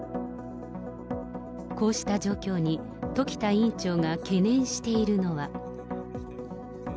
こうした状況に、時田院長が懸念しているのは。